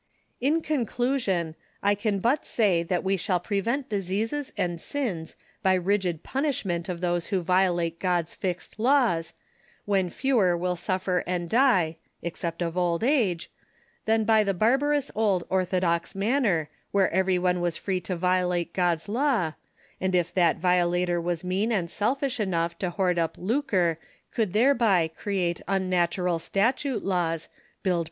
In conclusion, I can but say that we shall prevent dis eases and sins by rigid punisliment of those who violate God's fixed laws, wlien fewer will suffer and die fexcept of old age) than by the barbarovis old orthodox manner, where every one was free to violate God's law, and if that violator was mean and sellish enough to hoard np Here could thereby create unnatural statute laws, build p.